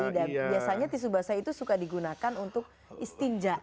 biasanya tisu basah itu suka digunakan untuk istinja